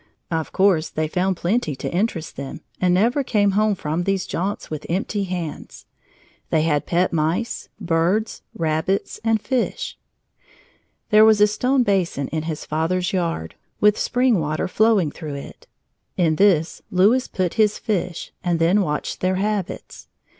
Of course they found plenty to interest them and never came home from these jaunts with empty hands. They had pet mice, birds, rabbits, and fish. There was a stone basin in his father's yard, with spring water flowing through it. In this Louis put his fish and then watched their habits.